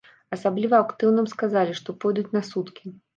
Асабліва актыўным сказалі, што пойдуць на суткі.